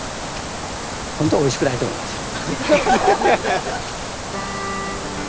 本当はおいしくないと思いますよ。